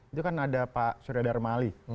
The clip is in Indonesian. itu kan ada pak suriadar mali